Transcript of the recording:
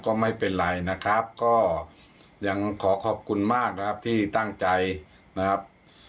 ก็ไม่เป็นไรนะครับก็ยังขอขอบคุณมากนะครับที่ตั้งใจนะครับ